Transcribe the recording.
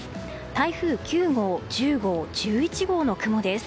台風９号、１０号、１１号の雲です。